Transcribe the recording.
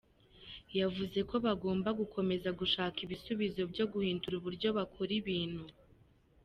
Yavuze ko bagomba gukomeza gushaka ibisubizo byo guhindura uburyo bakora ibintu.